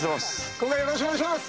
今回はよろしくお願いします。